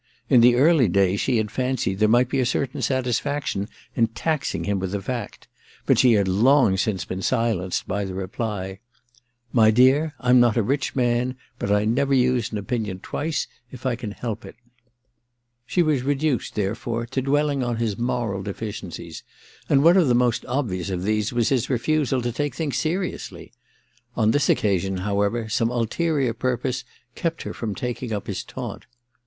In the early days she had fancied there might be a certam satisfaction in taxing him with the fact ; but she had long since been silenced by the reply :* My dear, I m not a rich man, but I never use an opinion twice if I can help it/ She was reduced, therefore, to dwelling on his moral deficiencies ; and one of the most obvious of these was his refusal to take things seriously. On this occasion, however, some ulterior purpose kept her from taking up lus taunt.